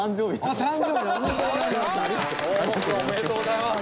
おめでとうございます。